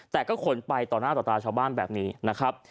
แต่ก็ขนไปต่อหน้าต่อตาชาวบ้านแบบนี้นะครับ